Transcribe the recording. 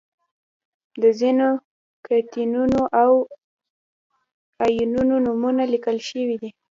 د ځینو کتیونونو او انیونونو نومونه لیکل شوي دي.